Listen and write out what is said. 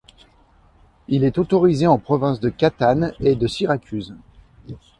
Il est autorisé en province de Catane et de Syracuse.